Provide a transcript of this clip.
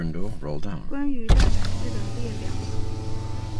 关于蛋白质的列表。